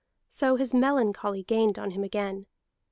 So his melancholy gained on him again.